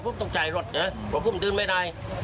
พวกพุ่งต้องจ่ายรถเพราะพุ่งตื่นไม่ได้